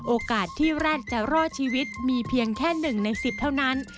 โอกาสที่แรกจะรอดชีวิตมีเพียงแค่๑ใน๑๐เท่านั้น